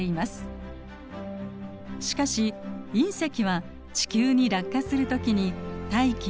しかし隕石は地球に落下する時に大気や水に触れるため